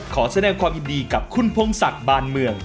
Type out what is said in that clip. ขอแสดงความยินดีกับคุณพงศักดิ์บานเมือง